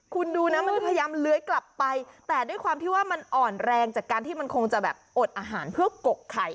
คุณดูนะมันพยายามเลื้อยกลับไปแต่ด้วยความที่ว่ามันอ่อนแรงจากการที่มันคงจะแบบอดอาหารเพื่อกกไข่